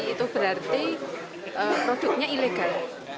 itu berarti produknya ilegal